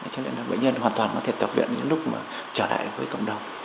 cho nên là bệnh nhân hoàn toàn có thể tập viện những lúc mà trở lại với cộng đồng